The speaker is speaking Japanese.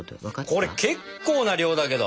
これ結構な量だけど。